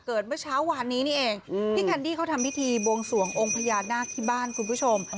เมื่อเช้าวานนี้นี่เองพี่แคนดี้เขาทำพิธีบวงสวงองค์พญานาคที่บ้านคุณผู้ชม